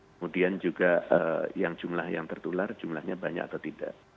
kemudian juga yang jumlah yang tertular jumlahnya banyak atau tidak